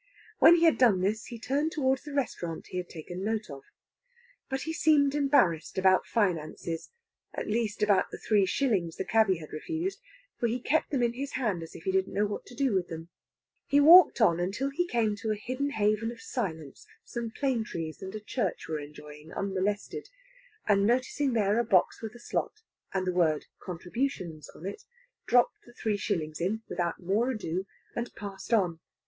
When he had done this he turned towards the restaurant he had taken note of. But he seemed embarrassed about finances at least, about the three shillings the cabby had refused; for he kept them in his hand as if he didn't know what to do with them. He walked on until he came to a hidden haven of silence some plane trees and a Church were enjoying unmolested, and noticing there a box with a slot, and the word "Contributions" on it, dropped the three shillings in without more ado, and passed on.